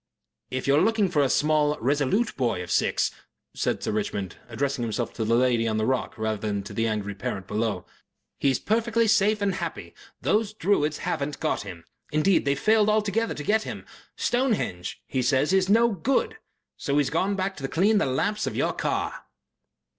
"If you are looking for a small, resolute boy of six," said Sir Richmond, addressing himself to the lady on the rock rather than to the angry parent below, "he's perfectly safe and happy. The Druids haven't got him. Indeed, they've failed altogether to get him. 'Stonehenge,' he says, 'is no good.' So he's gone back to clean the lamps of your car."